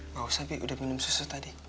mau sabi udah minum susu tadi